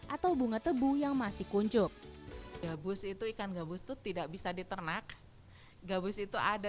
atau bunga tebu yang masih kuncup gabus itu ikan gabus itu tidak bisa diternak gabus itu ada